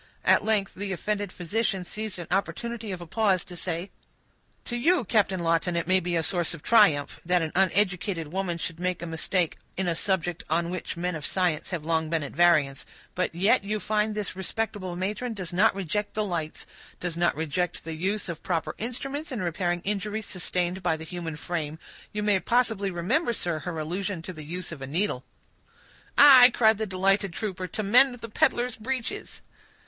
At length the offended physician seized an opportunity of a pause to say,— "To you, Captain Lawton, it may be a source of triumph, that an uneducated woman should make a mistake in a subject on which men of science have long been at variance; but yet you find this respectable matron does not reject the lights—does not reject the use of proper instruments in repairing injuries sustained by the human frame. You may possibly remember, sir, her allusion to the use of the needle." "Aye," cried the delighted trooper, "to mend the peddler's breeches."